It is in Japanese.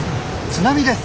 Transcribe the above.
津波です！